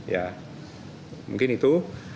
ya mungkin itu